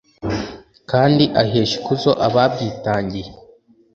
kandi ahesha ikuzo ababwitangiye